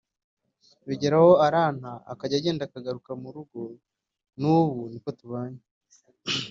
bigera aho aranta akajya agenda akongera akagaruka mu rugo na n’ubu ni uko tubanye